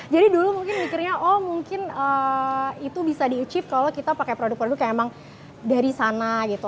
jadi dulu mungkin mikirnya oh mungkin itu bisa di achieve kalau kita pakai produk produk yang emang dari sana gitu